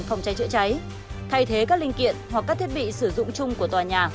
phòng cháy chữa cháy thay thế các linh kiện hoặc các thiết bị sử dụng chung của tòa nhà